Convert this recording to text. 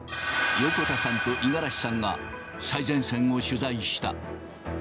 横田さんと五十嵐さんが、最前線を取材した。